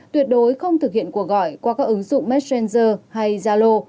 tuyệt đối không thực hiện cuộc gọi qua các ứng dụng messenger hay zalo